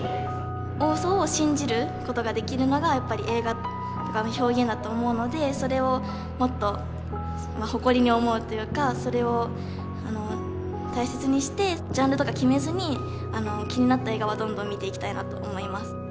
大ウソを信じる事ができるのがやっぱり映画とかの表現だと思うのでそれをもっと誇りに思うっていうかそれを大切にしてジャンルとか決めずに気になった映画はどんどん見ていきたいなと思います。